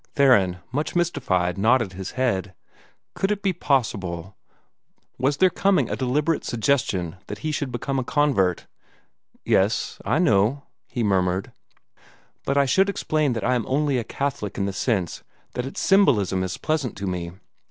Theron, much mystified, nodded his head. Could it be possible was there coming a deliberate suggestion that he should become a convert? "Yes I know," he murmured. "But I should explain that I am only a Catholic in the sense that its symbolism is pleasant to me.